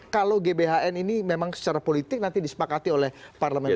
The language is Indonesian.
kalau gbhn ini memang secara politik nanti disepakati oleh parlemen